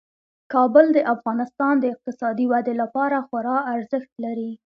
کابل د افغانستان د اقتصادي ودې لپاره خورا ارزښت لري.